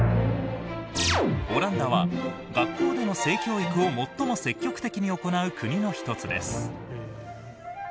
オランダは学校での性教育を最も積極的に行う国の一つです。